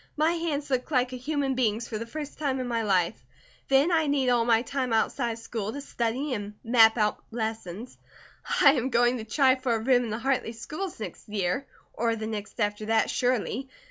My hands look like a human being's for the first time in my life; then I need all my time outside of school to study and map out lessons. I am going to try for a room in the Hartley schools next year, or the next after that, surely.